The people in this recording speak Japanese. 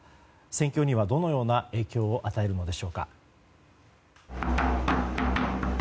戦況にはどのような影響を与えるのでしょうか。